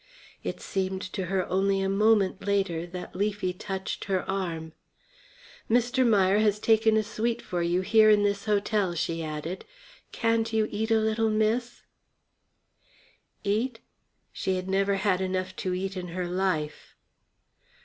It seemed to her only a moment later that Leafy touched her arm. "Mr. Meier has taken a suite for you here in this hotel," she said. "Can't you eat a little, Miss?" Eat? She had never had enough to eat in her life.